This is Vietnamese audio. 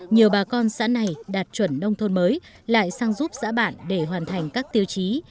nhiều bà con xã này đạt chuẩn nông thôn mới lại sang giúp xã bản để hoàn thành các tiêu chí